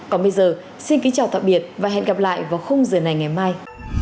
còn bây giờ xin kính chào tạm biệt và hẹn gặp lại vào khung giờ này ngày mai